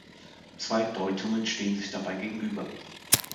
Zwei Deutungen stehen sich dabei gegenüber.